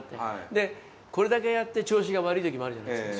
でこれだけやって調子が悪い時もあるじゃないですか。